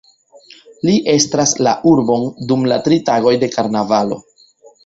Li estras la urbon dum la tri tagoj de karnavalo.